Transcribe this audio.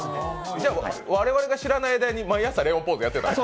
我々が知らない間に毎朝レオンポーズやってたと。